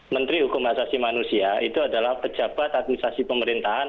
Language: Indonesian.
menteri hukum asasi manusia itu adalah pejabat administrasi pemerintahan